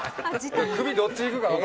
首どっちいくか。